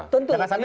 tau tau kurang lagi